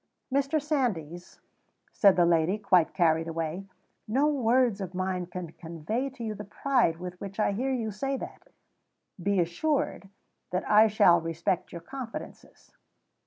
"Mr. Sandys," said the lady, quite carried away, "no words of mine can convey to you the pride with which I hear you say that. Be assured that I shall respect your confidences."